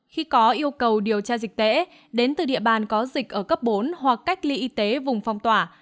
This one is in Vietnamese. khi có yêu cầu điều tra dịch tễ đến từ địa bàn có dịch ở cấp bốn hoặc cách ly y tế vùng phong tỏa